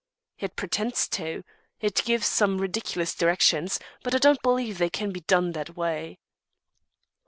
"It pretends to. It gives some ridiculous directions but I don't believe they can be done that way."